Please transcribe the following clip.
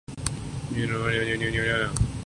یہاں تبدیلی آئے گی۔